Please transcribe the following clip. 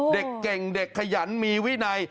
เด็กเก่งเด็กขยันมีวินัย